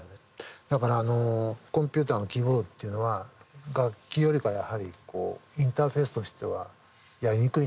だからコンピューターのキーボードっていうのは楽器よりかはやはりインターフェースとしてはやりにくいのね。